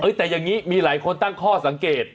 แต่อย่างนี้มีหลายคนตั้งข้อสังเกต